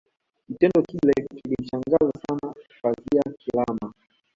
Kitendo kile kilimshangaza sana Pazi Kilama